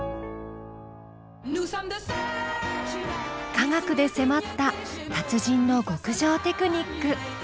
科学でせまった達人の極上テクニック。